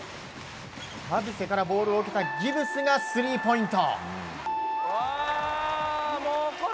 田臥からボールを受けたギブスがスリーポイント！